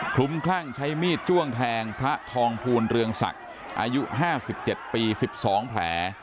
ลุ้มคลั่งใช้มีดจ้วงแทงพระทองภูลเรืองศักดิ์อายุ๕๗ปี๑๒แผล